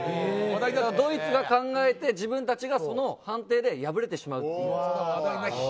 ドイツが考えて自分たちがその判定で敗れてしまうという。